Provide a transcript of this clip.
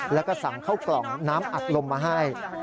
แล้วก็สั่งเข้ากล่องน้ำอัดลมมาให้